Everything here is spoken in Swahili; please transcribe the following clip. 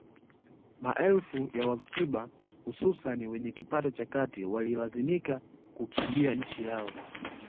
Maelfu ya wacuba hususan wenye kipato cha kati wakalazimika kuikimbia nchi yao